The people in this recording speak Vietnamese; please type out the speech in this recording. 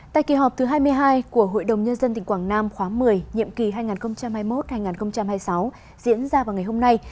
tại kỳ họp thứ hai mươi hai của hội đồng nhân dân tỉnh quảng nam khóa một mươi nhiệm kỳ hai nghìn hai mươi một hai nghìn hai mươi sáu diễn ra vào ngày hôm nay